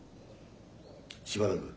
しばらく。